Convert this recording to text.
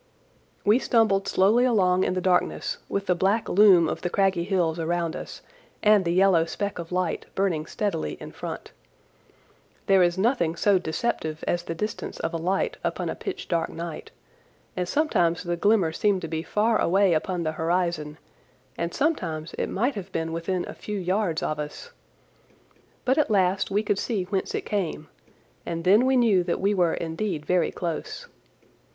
We stumbled slowly along in the darkness, with the black loom of the craggy hills around us, and the yellow speck of light burning steadily in front. There is nothing so deceptive as the distance of a light upon a pitch dark night, and sometimes the glimmer seemed to be far away upon the horizon and sometimes it might have been within a few yards of us. But at last we could see whence it came, and then we knew that we were indeed very close.